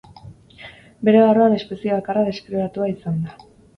Bere barruan espezie bakarra deskribatua izan da.